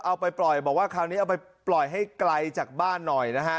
เอาไปปล่อยบอกว่าคราวนี้เอาไปปล่อยให้ไกลจากบ้านหน่อยนะฮะ